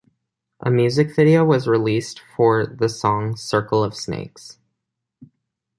A music video was released for the song "Circle of Snakes".